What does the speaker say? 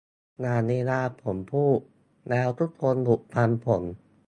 อย่างเวลาผมพูดแล้วทุกคนหยุดฟังผม